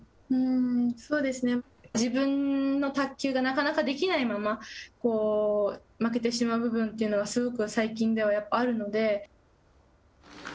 そうですね、自分の卓球がなかなかできないまま負けてしまう部分というのが、すごく最近ではあるので。